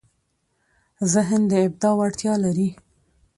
ذهن د ابداع وړتیا لري.